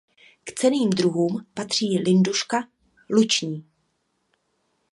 K cenným druhům patří linduška luční.